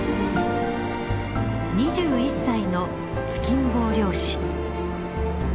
２１歳の突きん棒漁師。